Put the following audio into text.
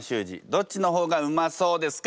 どっちの方がうまそうですか？